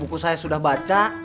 buku saya sudah baca